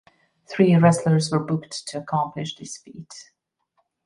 Three wrestlers were booked to accomplish this feat.